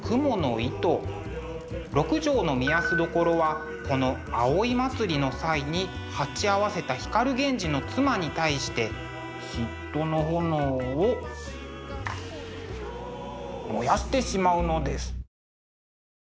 六条御息所はこの葵祭の際に鉢合わせた光源氏の妻に対して嫉妬の焔を燃やしてしまうのです。